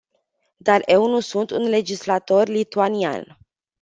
Dar eu nu sunt un legislator lituanian!